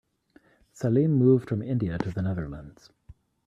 Salim moved from India to the Netherlands.